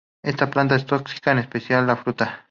Esta planta es tóxica, en especial la fruta.